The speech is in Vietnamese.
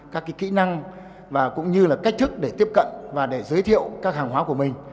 các kỹ năng và cũng như cách thức để tiếp cận và giới thiệu các hàng hóa của mình